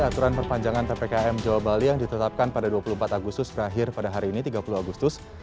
aturan perpanjangan ppkm jawa bali yang ditetapkan pada dua puluh empat agustus terakhir pada hari ini tiga puluh agustus